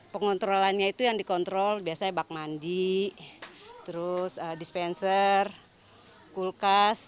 pengontrolannya itu yang dikontrol biasanya bak mandi terus dispenser kulkas